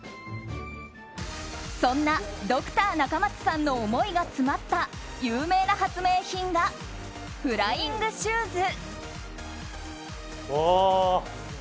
そんな、ドクター中松さんの思いが詰まった有名な発明品がフライングシューズ。